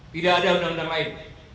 tidak ada undang undang lain